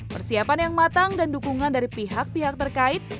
persiapan yang matang dan dukungan dari pihak pihak terkait